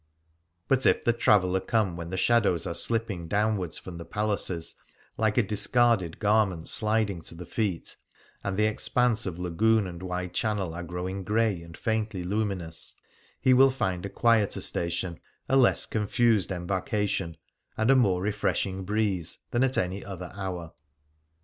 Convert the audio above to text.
But if the traveller come when the shadows are slipping downwards from the palaces, like a discarded garment sliding to the feet, and the expanse of Lagoon and wide channel are grow ing grey and faintly luminous, he will find a quieter station, a less confused embarkation, and a more refreshing breeze than at any other hour.